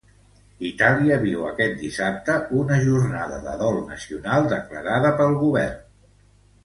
Itàlia viu aquest dissabte una jornada de dol nacional declarada pel govern.